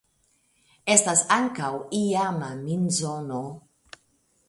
Estas ankaŭ iama minzono.